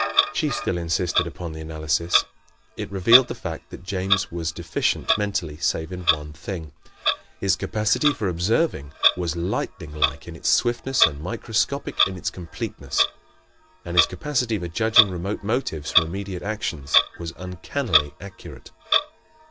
She still insisted upon the analysis. It revealed the fact that James was deficient mentally, save in one thing. His capacity for observing was lightning like in its swiftness and microscopic in its completeness. And his capacity for judging remote motives from immediate actions was uncannily accurate.